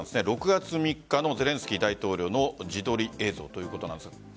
６月３日のゼレンスキー大統領の自撮り映像ということなんです。